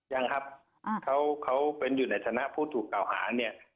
ยังครับเขาเป็นอยู่ในฐานะผู้ถูกกล่าวหาเนี่ย